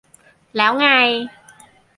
แล้วไง